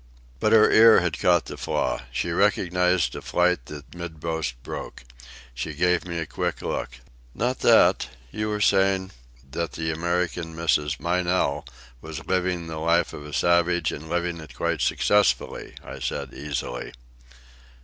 But her ear had caught the flaw. She recognized a flight that midmost broke. She gave me a quick look. "Not that. You were saying—?" "That the American Mrs. Meynell was living the life of a savage and living it quite successfully," I said easily.